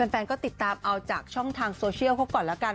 แฟนก็ติดตามเอาจากช่องทางโซเชียลเขาก่อนแล้วกัน